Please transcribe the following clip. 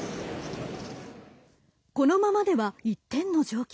このままでは１点の状況。